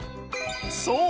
そう！